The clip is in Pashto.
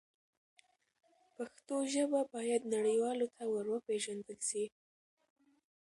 پښتو ژبه باید نړیوالو ته ور وپیژندل سي.